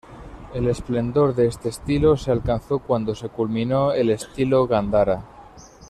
El esplendor de este estilo se alcanzó cuando se culminó el estilo Gandhara.